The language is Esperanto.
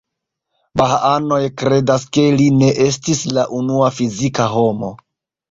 Bahaanoj kredas ke li ne estis la unua fizika homo.